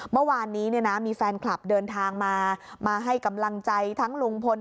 เมื่อวานนี้มีแฟนคลับเดินทางมามาให้กำลังใจทั้งลุงพล